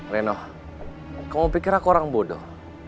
leno kamu pikir aku orang bodoh